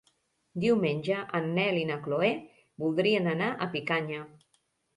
Diumenge en Nel i na Chloé voldrien anar a Picanya.